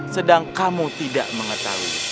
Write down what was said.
sedang kamu tidak mengetahui